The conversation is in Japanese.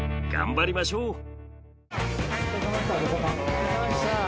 頑張りましょう。